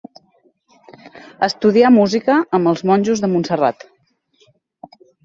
Estudià música amb els monjos de Montserrat.